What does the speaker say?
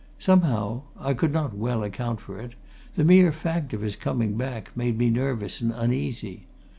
Somehow I could not well account for it the mere fact of his coming back made me nervous and uneasy.